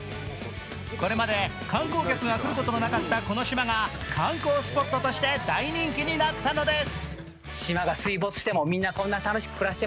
これまで観光客が来ることのなかったこの島が、観光スポットとして大人気になったのです。